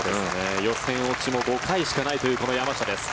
予選落ちも５回しかないという山下です。